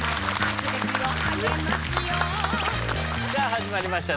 さあ始まりました